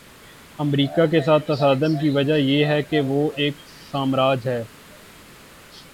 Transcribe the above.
امریکہ کے ساتھ تصادم کی وجہ یہ ہے کہ وہ ایک سامراج ہے۔